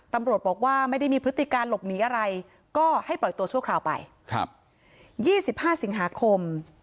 ตำรวจบอกว่าไม่ได้มีพฤติการหลบหนีอะไรก็ให้ปล่อยตัวชั่วคราวไปครับ๒๕สิงหาคม